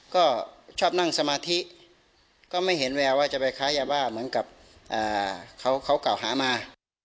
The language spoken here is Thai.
ก็ชอบนั่งสมาธิก็ไม่เห็นแววว่าจะไปค้ายาบ้าเหมือนกับเขากล่าวหามา